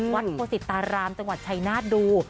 โคสิตารามจังหวัดชัยนาฏดู